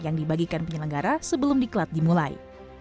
yang dibagikan penyelenggara sebelum di klat dimulai